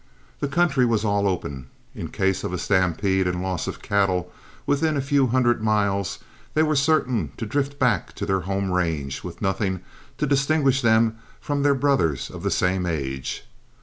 The country was all open; in case of a stampede and loss of cattle within a few hundred miles they were certain to drift back to their home range, with nothing to distinguish them from their brothers of the same age.